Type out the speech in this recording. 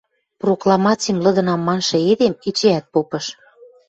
Прокламацим лыдынам маншы эдем эчеӓт попыш.